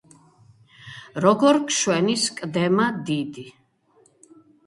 როგორ გშვენის კდემა დიდი..